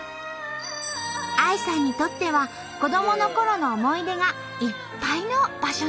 ＡＩさんにとっては子どものころの思い出がいっぱいの場所